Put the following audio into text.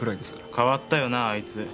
変わったよなあいつ。